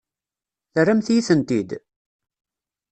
Terramt-iyi-tent-id?